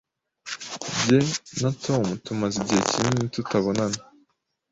Jye na Tom tumaze igihe kinini tutabonana.